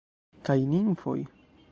kaj nimfoj.